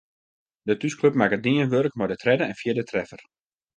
De thúsklup makke dien wurk mei de tredde en fjirde treffer.